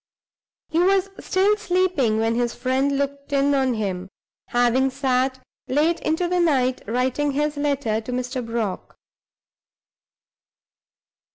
He was still sleeping when his friend looked in on him, having sat late into the night writing his letter to Mr. Brock.